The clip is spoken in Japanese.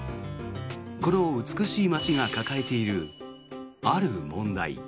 この美しい街が抱えているある問題。